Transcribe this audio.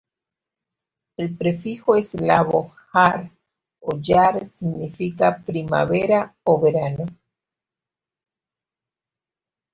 El prefijo eslavo "jar" o "yar" significa "primavera" o "verano".